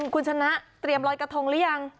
คุณชนะเตรียมรอยกระทงหรือยัง